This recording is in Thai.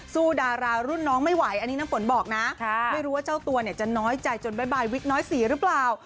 ดารารุ่นน้องไม่ไหวอันนี้น้ำฝนบอกนะไม่รู้ว่าเจ้าตัวเนี่ยจะน้อยใจจนบ๊ายวิกน้อยสีหรือเปล่า